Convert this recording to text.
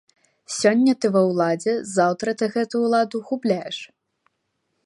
Сёння ты ва ўладзе, заўтра ты гэтую ўладу губляеш.